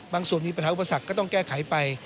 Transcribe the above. ส่วนมีปัญหาอุปสรรคก็ต้องแก้ไขไป